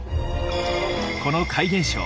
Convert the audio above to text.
この怪現象。